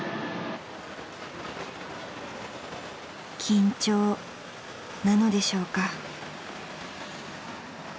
［緊張なのでしょうか］